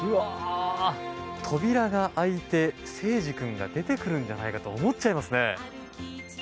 扉が開いて聖司君が出てくるんじゃないかと思っちゃいますね。